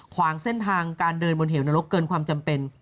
ขวางเส้นทางการเดินบนเหวนรกเกินความจำเป็น